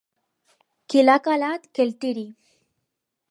Qui l'ha calat, que el tiri.